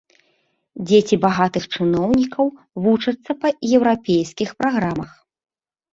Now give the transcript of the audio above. Дзеці багатых чыноўнікаў вучацца па еўрапейскіх праграмах.